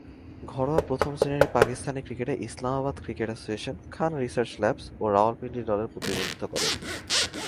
ঘরোয়া প্রথম-শ্রেণীর পাকিস্তানি ক্রিকেটে Islamabad cricket association, Khan research labs ও রাওয়ালপিন্ডি দলের প্রতিনিধিত্ব করেন।